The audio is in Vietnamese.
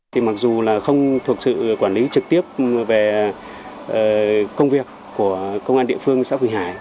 thì mặc dù là không thuộc sự quản lý trực tiếp về công việc của công an địa phương xã quỳnh hải